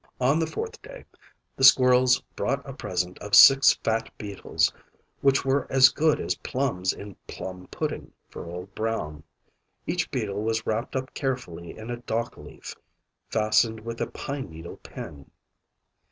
On the fourth day the squirrels brought a present of six fat beetles, which were as good as plums in PLUM PUDDING for Old Brown. Each beetle was wrapped up carefully in a dockleaf, fastened with a pine needle pin.